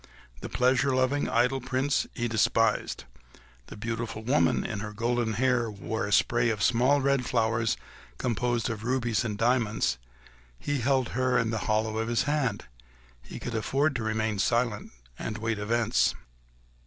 The pleasure loving, idle Prince he despised; the beautiful woman, who in her golden hair wore a spray of small red flowers composed of rubies and diamonds—her he held in the hollow of his hand: he could afford to remain silent and to await events.